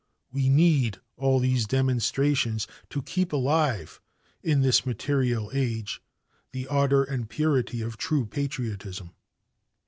We need all these demonstrations to keep alive in this material age the ardor and purity of true patriotism.